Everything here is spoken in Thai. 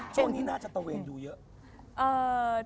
ช่วงนี้น่าจะตะเวนดูเยอะ